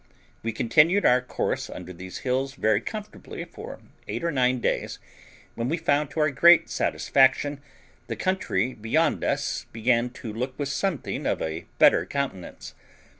We continued our course under these hills very comfortably for eight or nine days, when we found, to our great satisfaction, the country beyond us began to look with something of a better countenance.